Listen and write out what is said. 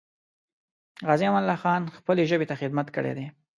غازي امان الله خان خپلې ژبې ته خدمت کړی دی.